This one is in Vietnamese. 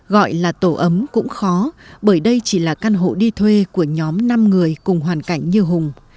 gọi là tổ ấm cũng khó bởi đây chỉ là căn hộ đi thuê của nhóm năm người cùng hoàn cảnh như hùng